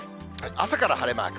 朝から晴れマーク。